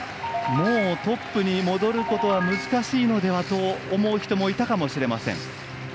もうトップに戻ることは難しいのではと思う人もいたかもしれません。